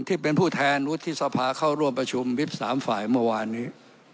ที่เป็นผู้แทนวุฒิสภาเข้าร่วมประชุมวิบ๓ฝ่ายเมื่อวานนี้